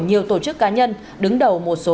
nhiều tổ chức cá nhân đứng đầu một số